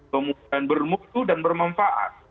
kemudian bermutu dan bermanfaat